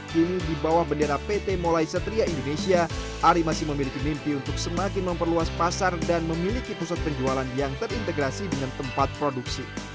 kini di bawah bendera pt molai satria indonesia ari masih memiliki mimpi untuk semakin memperluas pasar dan memiliki pusat penjualan yang terintegrasi dengan tempat produksi